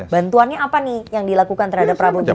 bantuannya apa nih yang dilakukan terhadap prabowo jokowi